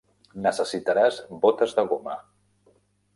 Necessitaràs botes de goma.